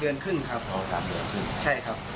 อ๋อ๓เดือนครึ่งครับปลาเวลุ่นครับพร้อมประสงค์ภัณฑ์ได้แล้วครับ